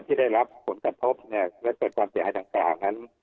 ที่ได้รับผลกระทบและเกิดความเสียหายดังกล่าวนั้น